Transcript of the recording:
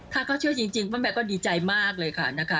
ถ้าเขาเชื่อจริงป้าแมวก็ดีใจมากเลยค่ะนะคะ